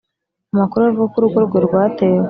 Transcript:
amakuru aravuga ko urugo rwe rwatewe